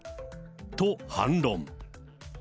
と反論。